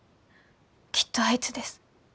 きっとあいつです。